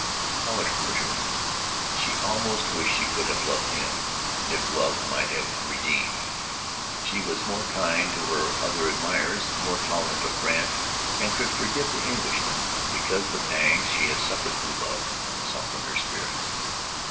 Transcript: How it hurt her! She almost wished she could have loved him, if love might have redeemed. She was more kind to her other admirers, more tolerant of Brandt, and could forgive the Englishman, because the pangs she had suffered through love had softened her spirit.